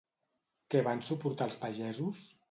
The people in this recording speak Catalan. Què van suportar els pagesos?